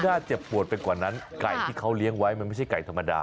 ถ้าเจ็บปวดไปกว่านั้นไก่ที่เขาเลี้ยงไว้มันไม่ใช่ไก่ธรรมดา